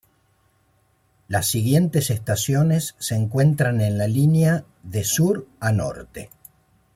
Las siguientes estaciones se encuentran en la línea, de sur a norte.